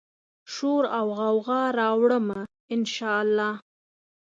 شوراوغوغا راوړمه، ان شا الله